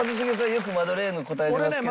よくマドレーヌ答えてますけども。